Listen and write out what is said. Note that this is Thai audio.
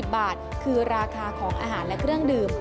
บาทคือราคาของอาหารและเครื่องดื่ม